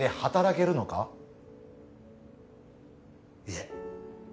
いえ。